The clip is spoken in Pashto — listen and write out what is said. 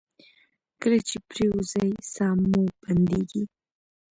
کله چې پریوځئ ساه مو بندیږي؟